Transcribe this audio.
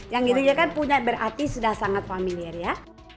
yang gitu ya kan punya berarti sudah sangat familiar ya